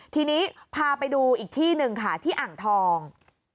ทีนี้พาไปดูอีกที่หนึ่งค่ะที่อ่างทอง